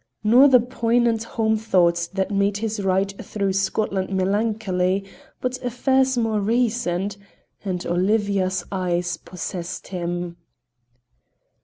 nor the poignant home thoughts that made his ride through Scotland melancholy, but affairs more recent, and Olivia's eyes possessed him.